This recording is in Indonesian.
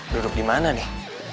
duduk dimana nih